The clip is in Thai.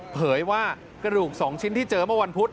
เผยว่ากระดูก๒ชิ้นที่เจอเมื่อวันพุธ